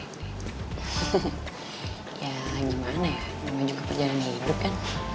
hehehe ya gimana ya memang juga perjalanan hidup kan